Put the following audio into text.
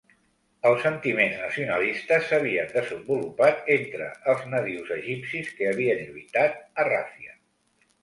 Els sentiments nacionalistes s'havien desenvolupat entre els nadius egipcis que havien lluitat a Ràfia.